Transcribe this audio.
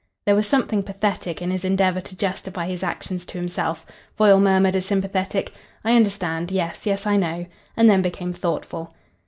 There was something pathetic in his endeavour to justify his actions to himself. Foyle murmured a sympathetic, "I understand yes, yes, I know," and then became thoughtful.